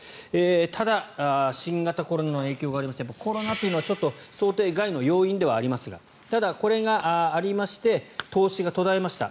ただ、新型コロナの影響がありましてコロナっていうのは、ちょっと想定外の要因ではありますがただ、これがありまして投資が途絶えました。